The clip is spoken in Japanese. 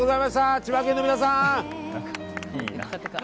千葉県の皆さん！